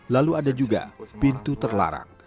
lalu ada juga pintu terlarang